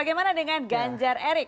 bagaimana dengan ganjar erik